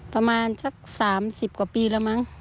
ประมาณสัก๓๐กว่าปีแล้วมั้ง